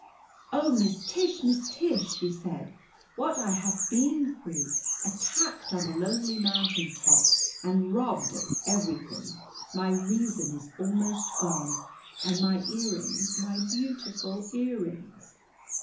"Oh, Miss Tish, Miss Tish!" she said. "What I have been through! Attacked on a lonely mountain top and robbed of everything. My reason is almost gone. And my earrings, my beautiful earrings!"